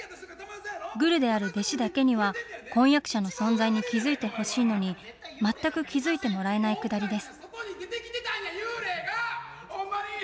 グルである弟子だけには、婚約者の存在に気付いてほしいのに、全く気付いてもらえないくだりです。